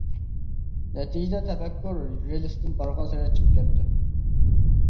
نەتىجىدە تەپەككۇر رېلىسىدىن بارغانسېرى چىقىپ كەتتى.